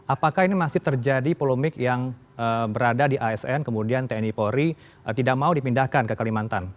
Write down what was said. apakah ini masih terjadi polemik yang berada di asn kemudian tni polri tidak mau dipindahkan ke kalimantan